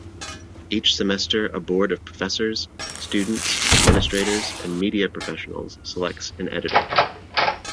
Each semester a board of professors, students, administrators and media professionals selects an editor.